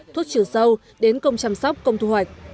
thuốc trừ sâu đến công chăm sóc công thu hoạch